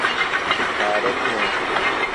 پارە نییە.